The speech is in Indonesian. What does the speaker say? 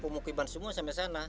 pemukiman semua sampai sana